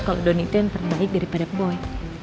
kalo donny itu yang terbaik daripada boy